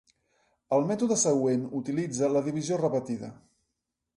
El mètode següent utilitza la divisió repetida.